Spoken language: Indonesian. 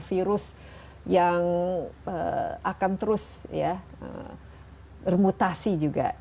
virus yang akan terus ya bermutasi juga